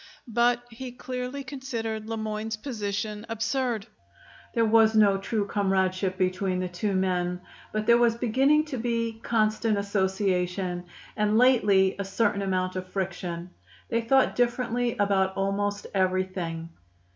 But he clearly considered Le Moyne's position absurd. There was no true comradeship between the two men; but there was beginning to be constant association, and lately a certain amount of friction. They thought differently about almost everything.